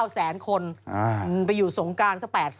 ๙แสนคน